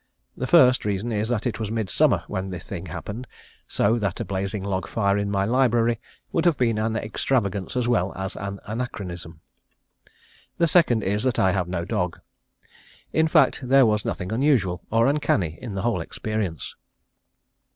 The first reason is that it was midsummer when the thing happened, so that a blazing log fire in my library would have been an extravagance as well as an anachronism. The second is that I have no dog. In fact there was nothing unusual, or uncanny in the whole experience.